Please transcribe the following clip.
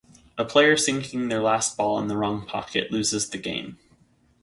A player sinking their last ball in the wrong pocket loses the game.